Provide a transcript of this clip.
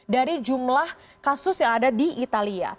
dari jumlah kasus yang ada di italia